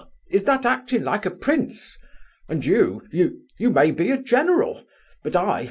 is that acting like a prince? And you... you may be a general! But I...